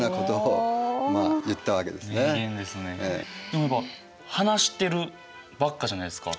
でもやっぱ話してるばっかじゃないですか。